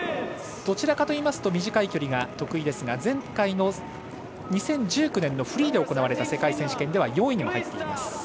どちらかといいますと短い距離が得意なんですが前回の２０１９年のフリーで行われた世界選手権では４位に入っています。